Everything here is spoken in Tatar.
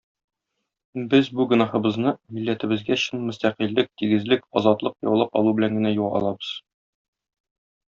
Без бу гөнаһыбызны милләтебезгә чын мөстәкыйльлек, тигезлек, азатлык яулап алу белән генә юа алабыз.